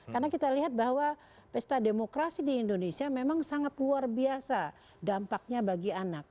karena kita lihat bahwa pesta demokrasi di indonesia memang sangat luar biasa dampaknya bagi anak